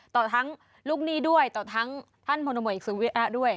ต่อทั้งลูกนี้ด้วยต่อทั้งท่านพนโมยศูนย์ด้วย